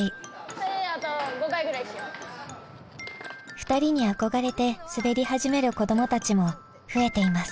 ２人に憧れて滑り始める子供たちも増えています。